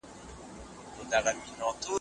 تاسو باید خپلو مېلمنو ته تازه مېوې وړاندې کړئ.